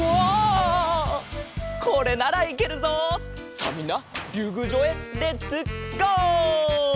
さあみんなりゅうぐうじょうへレッツゴー！